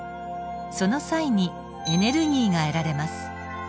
その際にエネルギーが得られます。